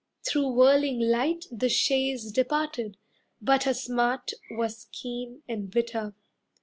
Through whirling light The chaise departed, but her smart Was keen and bitter.